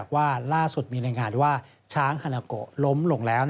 ว่าล่าสุดมีรายงานว่าช้างฮานาโกะล้มลงแล้ว